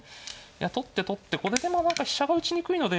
取って取ってこれでまあ何か飛車が打ちにくいので。